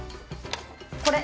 これ。